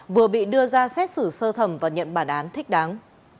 vừa bị đưa ra xét xử sơ thẩm và nhận bản án thích đáng